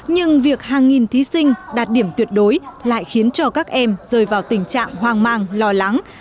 nhưng việc hàng nghìn thí sinh đạt điểm tuyệt đối lại khiến cho các em rơi vào tình trạng hoang mang lo lắng